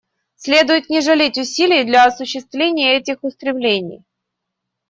Следует не жалеть усилий для осуществления этих устремлений.